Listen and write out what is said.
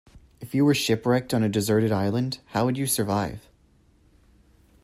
If you were shipwrecked on a deserted island, how would you survive?